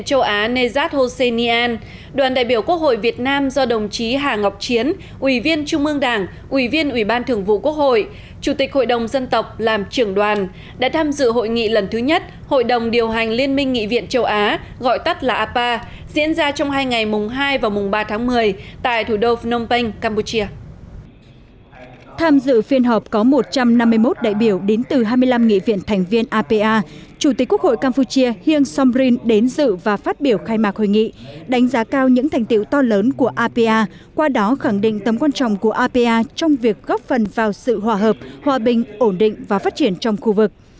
trong cuộc họp có một trăm năm mươi một đại biểu đến từ hai mươi năm nghị viện thành viên apa chủ tịch quốc hội campuchia hiêng somrin đến dự và phát biểu khai mạc hội nghị đánh giá cao những thành tiệu to lớn của apa qua đó khẳng định tấm quan trọng của apa trong việc góp phần vào sự hòa hợp hòa bình ổn định và phát triển trong khu vực